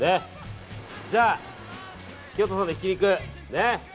じゃあ、清田さんのひき肉。